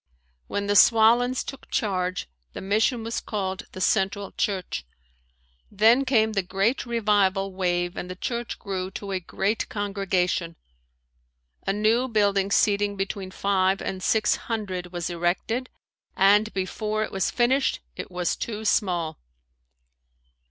When the Swallen's took charge the mission was called the Central church. Then came the great revival wave and the church grew to a great congregation. A new building seating between five and six hundred was erected and before it was finished it was too small.